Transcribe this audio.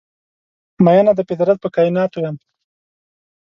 میینه د فطرت په کائیناتو یم